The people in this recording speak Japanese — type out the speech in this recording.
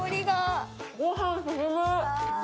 ご飯進む。